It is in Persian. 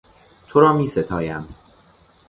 تو را میستایم.